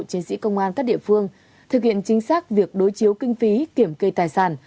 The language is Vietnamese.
chiến sĩ công an các địa phương thực hiện chính xác việc đối chiếu kinh phí kiểm kê tài sản